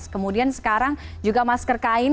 kemudian sekarang juga masker kain